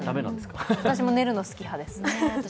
私も寝るの好き派です。